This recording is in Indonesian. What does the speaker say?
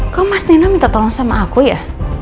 kok mas nina minta tolong sama aku ya